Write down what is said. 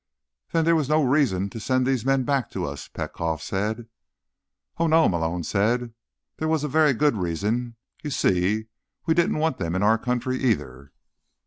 "Then there was no reason to send these men back to us," Petkoff said. "Oh, no," Malone said. "There was a very good reason. You see, we didn't want them in our country, either."